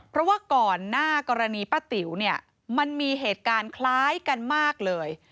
เพราะว่าก่อนหน้ากรณีป้าติ๋วเนี่ยมันมีเหตุการณ์คล้ายกันมากเลย